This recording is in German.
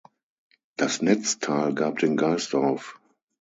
Das Netzteil gab den Geist auf.